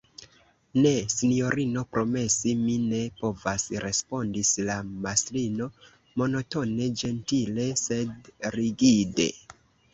Ne, sinjorino, promesi mi ne povas, respondis la mastrino monotone, ĝentile, sed rigide.